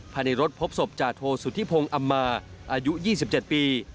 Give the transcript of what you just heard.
ภายในรถพบศพจาโทสุธิพงศ์อำมาอายุ๒๗ปี